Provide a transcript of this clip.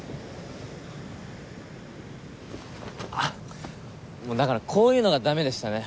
あっもうだからこういうのがダメでしたね。